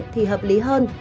thì hợp lý hơn